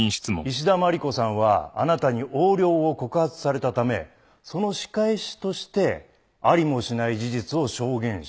石田真理子さんはあなたに横領を告発されたためその仕返しとしてありもしない事実を証言したと。